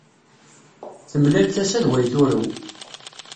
Temlal tasa d way turew.